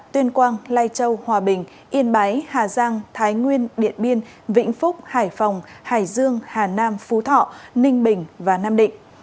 tuyên quang lai châu hòa bình yên bái hà giang thái nguyên điện biên vĩnh phúc hải phòng hải dương hà nam phú thọ ninh bình và nam định